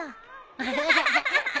アハハハ。